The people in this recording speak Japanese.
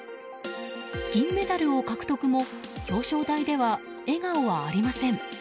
銀メダルを獲得も、表彰台では笑顔はありません。